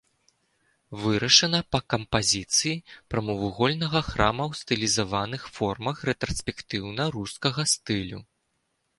Вырашана па кампазіцыі прамавугольнага храма ў стылізаваных формах рэтраспектыўна-рускага стылю.